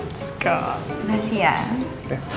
terima kasih ya